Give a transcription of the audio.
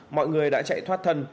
mọi người đã chạy thoát thân